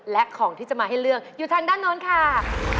และของที่จะมาให้เลือกอยู่ทางด้านโน้นค่ะ